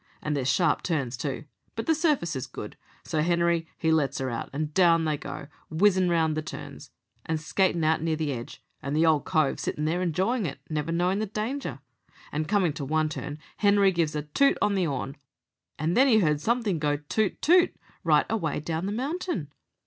And there's sharp turns, too; but the surface is good, so Henery he lets her out, and down they go, whizzin' round the turns and skatin' out near the edge, and the old cove sittin' there enjoyin' it, never knowin' the danger. And comin' to one turn Henery gives a toot on the 'orn, and then he heard somethin' go 'toot, toot' right away down the mountain.